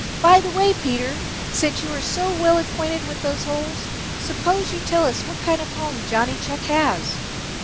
By the way, Peter, since you are so well acquainted with those holes, suppose you tell us what kind of a home Johnny Chuck has."